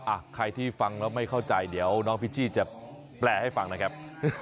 อ่ะใครที่ฟังแล้วไม่เข้าใจเดี๋ยวน้องพิชชี่จะแปลให้ฟังนะครับ